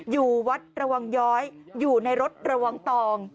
อยู่วัดระวังย้อยอยู่ในรถระวังตอง